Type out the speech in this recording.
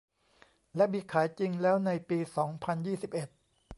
และมีขายจริงแล้วในปี สองพันยี่สิบเอ็ด